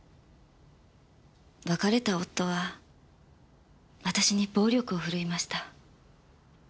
別れた夫は私に暴力を振るいました。